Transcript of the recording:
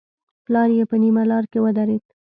پلار يې په نيمه لاره کې ودرېد.